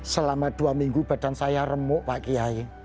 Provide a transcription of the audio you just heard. selama dua minggu badan saya remuk pak kiai